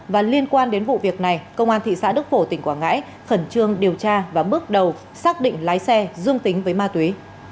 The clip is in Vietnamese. và liên quan đến vụ việc này công an thị xã đức phổ tỉnh quảng ngãi khẩn trương điều tra và bước đầu xác định lái xe dương tính với ma túy